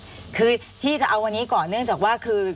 คือที่จะเอาวันนี้ก่อนเนื่องจากว่าคือ